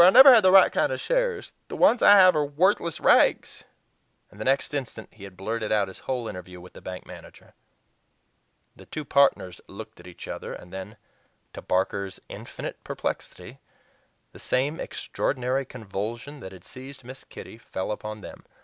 I never had the right kind of shares. The ones I have are worthless rags"; and the next instant he had blurted out his whole interview with the bank manager. The two partners looked at each other, and then, to Barker's infinite perplexity, the same extraordinary convulsion that had seized Miss Kitty fell upon them.